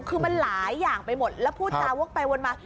คือมันหลายอย่างไปหมดแล้วพูดจาวกไปวนมา